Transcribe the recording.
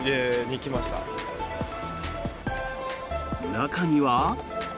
中には。